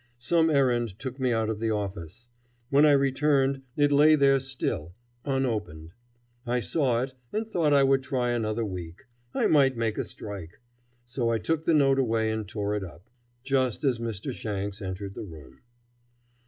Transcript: Some errand took me out of the office. When I returned it lay there still, unopened. I saw it, and thought I would try another week. I might make a strike. So I took the note away and tore it up, just as Mr. Shanks entered the room.